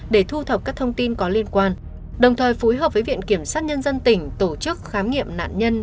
để thu thập các thông tin có liên quan đồng thời phối hợp với viện kiểm sát nhân dân tỉnh tổ chức khám nghiệm nạn nhân